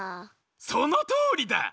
そのとおりだ。